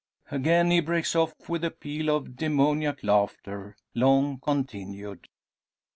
Again he breaks off with a peal of demoniac laughter, long continued.